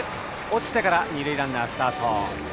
落ちてから二塁ランナースタート。